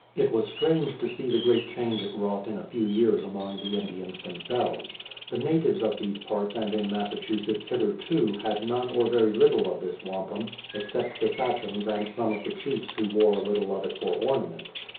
It was strange to see the great change it wrought in a few years among the Indians themselves. The natives of these parts and in Massachusetts hitherto had none or very little of this wampum, except the Sachems and some of the chiefs who wore a little of it for ornament.